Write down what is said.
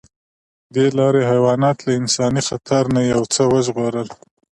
دې لارې حیوانات له انساني خطر نه یو څه وژغورل.